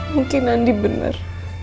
mungkin andi benar